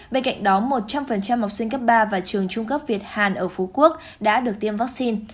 bên cạnh đó một trăm linh học sinh cấp ba và trường trung cấp việt hàn ở phú quốc đã được tiêm vaccine